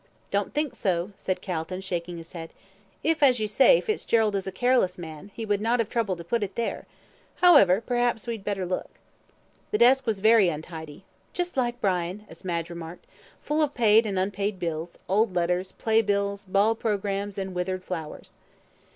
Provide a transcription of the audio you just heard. "Don't think so," said Calton, shaking his head. "If, as you say, Fitzgerald is a careless man, he would not have troubled to put it there. However; perhaps we'd better look." The desk was very untidy ("Just like Brian," as Madge remarked) full of paid and unpaid bills, old letters, play bills, ball programmes, and withered flowers.